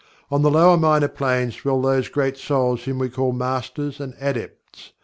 On the lower Minor Planes dwell those great souls whom we call Masters and Adepts.